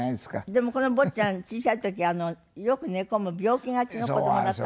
でもこの坊ちゃん小さい時よく寝込む病気がちの子どもだったんですって？